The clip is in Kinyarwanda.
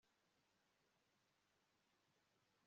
ibitugu bye ku ijosi, ashyira umutuku